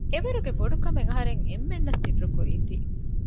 އެވަރުގެ ބޮޑުކަމެއް އަހަރެން އެންމެންނަށް ސިއްރުކުރީތީ